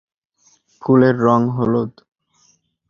ফুলের রং হলুদ।